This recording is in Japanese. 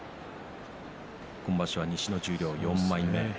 今場所は西の十両４枚目です。